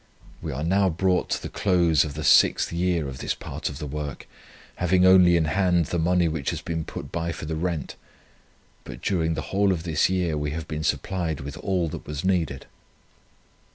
We are now brought to the close of the sixth year of this part of the work, having only in hand the money which has been put by for the rent; but during the whole of this year we have been supplied with all that was needed.